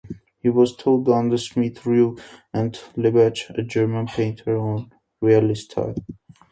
He was taught under Schmid-Reutte and Lenbach, a German painter of realist style.